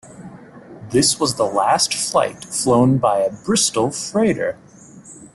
This was the last flight flown by a Bristol Freighter.